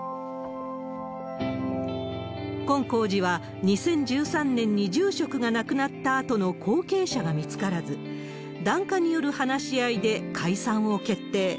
金皇寺は、２０１３年に住職が亡くなったあとの後継者が見つからず、檀家による話し合いで解散を決定。